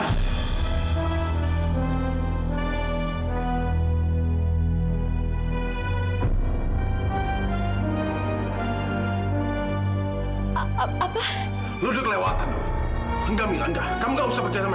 dia tuh taufan kakak impar kamu